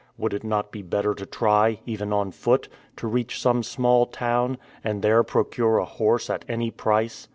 Would it not be better to try, even on foot, to reach some small town, and there procure a horse at any price?